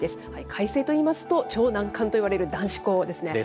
開成といいますと、超難関といわれる男子校ですね。